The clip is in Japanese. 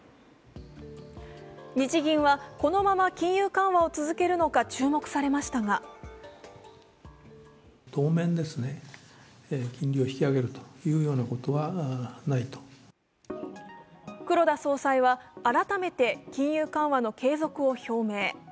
日銀は、このまま金融緩和を続けるのか注目されましたが黒田総裁は改めて金融緩和の継続を表明。